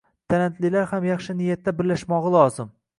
talantlilar ham yaxshi niyatda birlashmog’i lozim.